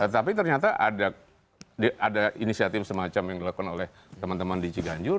tapi ternyata ada inisiatif semacam yang dilakukan oleh teman teman di ciganjur